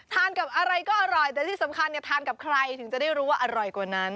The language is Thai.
ทานกับอะไรก็อร่อยแต่ที่สำคัญเนี่ยทานกับใครถึงจะได้รู้ว่าอร่อยกว่านั้น